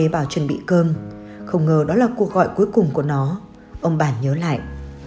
tuấn đã về bảo chuẩn bị cơm không ngờ đó là cuộc gọi cuối cùng của nó ông bàn nhớ lại